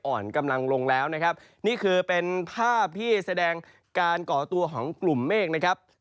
อ่อนกำลังลงแล้วนะครับนี่คือเป็นภาพที่แสดงการก่อตัวของกลุ่มเมฆนะครับ